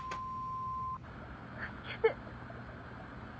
助けて。